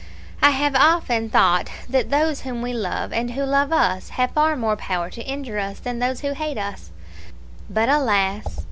I have often thought that those whom we love, and who love us, have far more power to injure us than those who hate us; but, alas!